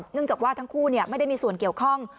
เนื่องจากว่าทั้งคู่เนี่ยไม่ได้มีส่วนเกี่ยวข้อง